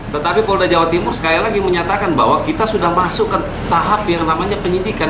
tetapi polda jawa timur sekali lagi menyatakan bahwa kita sudah masuk ke tahap yang namanya penyidikan